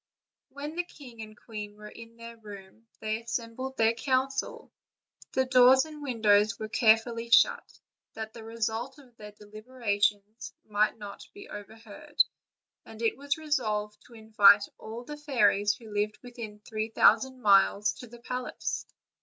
When the king and queen were in their room, they assembled their council; the doors and windows were carefully shut, that the result of their deliberations might not be overheard, and it was resolved to invite all the fairies who lived within three thousand miles, to the palace.